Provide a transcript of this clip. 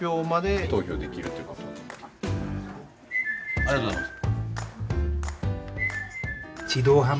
ありがとうございます。